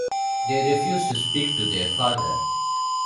They refuse to speak to their father.